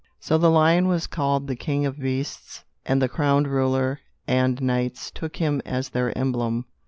So the lion was called the king of beasts, and the crowned rulers and knights took him as their emblem.